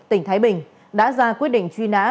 tỉnh thái bình đã ra quyết định truy nã